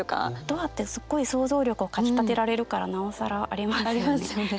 ドアってすっごい想像力をかきたてられるからなおさらありますよね。